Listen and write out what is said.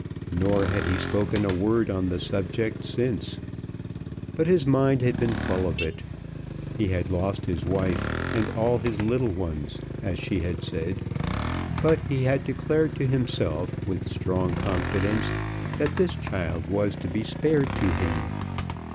Nor had he spoken a word on the subject since. But his mind had been full of it. He had lost his wife, and all his little ones, as she had said; but he had declared to himself with strong confidence that this child was to be spared to him.